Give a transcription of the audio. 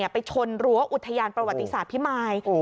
ไปชนรั้วอุทยานประวัติศาสตร์พิมาย